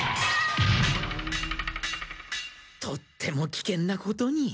とっても危険なことに。